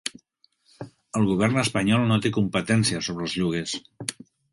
El govern espanyol no té competència sobre els lloguers